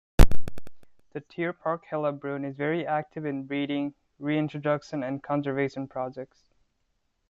The Tierpark Hellabrunn is very active in breeding, reintroduction and conservation projects.